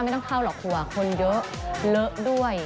ไม่ต้องเข้าหรอกครัวคนเยอะเลอะด้วย